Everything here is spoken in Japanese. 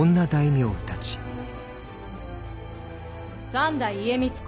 ・三代家光公